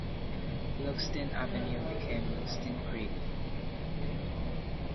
Lugsdin Avenue became Lugsdin Creek.